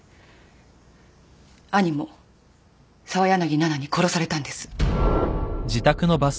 兄も澤柳菜々に殺されたんです。